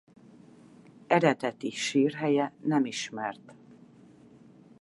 Eredeti sírhelye nem ismert.